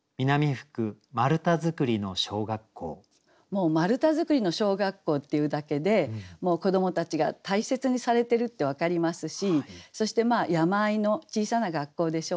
もう「丸太造りの小学校」っていうだけで子どもたちが大切にされてるって分かりますしそして山あいの小さな学校でしょうかね。